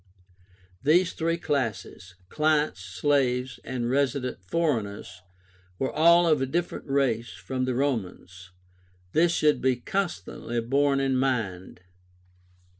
These three classes, clients, slaves, and resident foreigners, were all of a different race from the Romans. This should be constantly borne in mind.